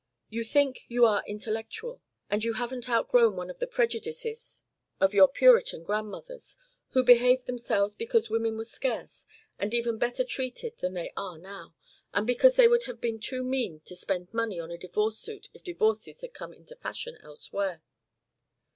You think you are intellectual, and you haven't outgrown one of the prejudices of your Puritan grandmothers who behaved themselves because women were scarce and even better treated than they are now, and because they would have been too mean to spend money on a divorce suit if divorces had come into fashion elsewhere."